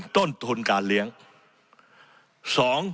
ต้นทุนการเลี้ยง